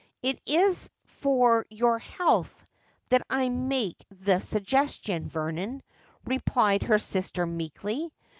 ' It is for your health that I make the suggestion, Vernon,' replied his sister meekly.